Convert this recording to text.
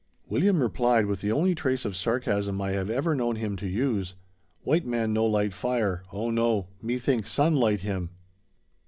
William replied, with the only trace of sarcasm I have ever known him to use: "White man no light fire, oh no, me think sun light him."